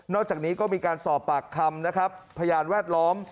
อกจากนี้ก็มีการสอบปากคำนะครับพยานแวดล้อม